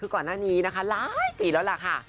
คือก่อนหน้านี้นะคะหลายปีแล้วล่ะค่ะ